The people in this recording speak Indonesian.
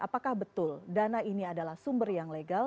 apakah betul dana ini adalah sumber yang legal